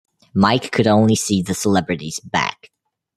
Mike could only see the celebrity's back.